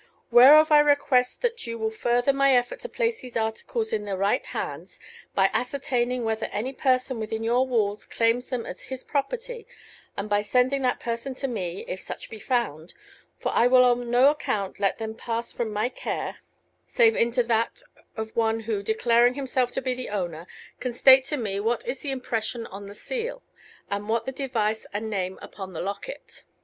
Whereof I request that you will further my effort to place these articles in the right hands, by ascertaining whether any person within your walls claims them as his property, and by sending that person to me (if such be found); for I will on no account let them pass from my care save into that of one who, declaring himself to be the owner, can state to me what is the impression on the seal, and what the device and name upon the locket.